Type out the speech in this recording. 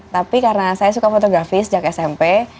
tapi karena saya suka fotografi sejak smp